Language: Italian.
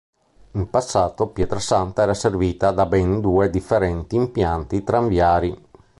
In passato Pietrasanta era servita da ben due differenti impianti tranviari.